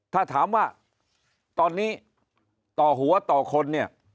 ถ้าถามว่าตอนนี้ต่อหัวต่อคนเนี่ย